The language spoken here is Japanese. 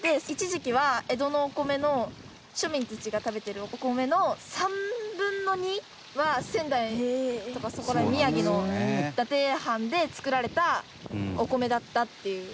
一時期は江戸のお米の庶民たちが食べているお米の３分の２は仙台とかそこの宮城の伊達藩で作られたお米だったっていう。